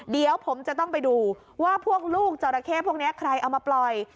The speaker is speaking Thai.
เดี๋ยวผมจะต้องไปดูว่าพวกลูกจราเข้พวกนี้ใครเอามาปล่อย